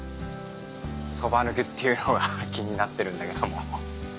そば抜きっていうのが気になってるんだけども。